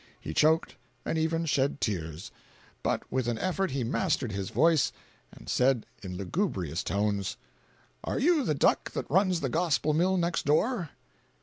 He choked, and even shed tears; but with an effort he mastered his voice and said in lugubrious tones: "Are you the duck that runs the gospel mill next door?"